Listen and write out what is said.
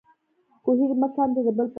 کوهی مه کنده د بل په لار.